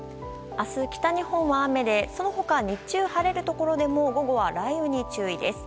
明日、北日本は雨でその他、日中晴れるところでも午後は雷雨に注意です。